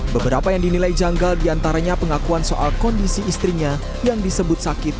beberapa yang dinilai janggal diantaranya pengakuan soal kondisi istrinya yang disebut sakit